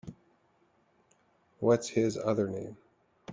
What’s his other name?